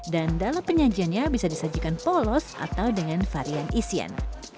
dan dalam penyajiannya bisa disajikan polos atau dengan varian isian